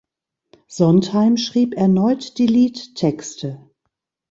Sondheim schrieb erneut die Liedtexte.